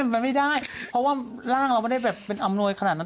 มันไม่ได้เพราะว่าร่างเราไม่ได้แบบเป็นอำนวยขนาดนั้น